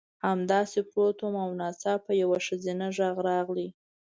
همداسې پروت وم او ناڅاپه یو ښځینه غږ راغی